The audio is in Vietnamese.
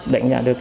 đánh giá được